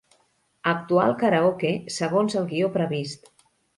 Actuar al karaoke segons el guió previst.